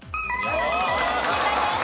正解です。